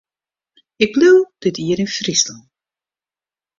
Ik bliuw dit jier yn Fryslân.